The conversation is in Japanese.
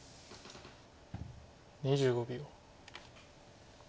２５秒。